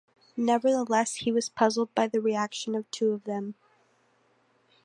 Nevertheless, he was puzzled by the reaction of two of them.